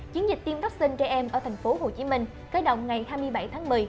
chiến dịch tiêm vaccine trẻ em ở thành phố hồ chí minh kết động ngày hai mươi bảy tháng một mươi